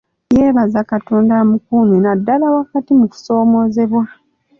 Yeebaza Katonda amukumye naddala wakati mu kusoomoozebwa